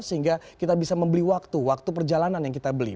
sehingga kita bisa membeli waktu waktu perjalanan yang kita beli